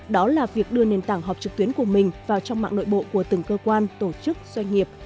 đó là việc đưa nền tảng họp trực tuyến của mình vào trong mạng nội bộ của từng cơ quan tổ chức doanh nghiệp